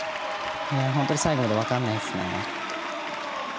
本当に最後まで分からないですね。